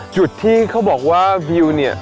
จุดที่เขาบอกว่าวิวเนี่ย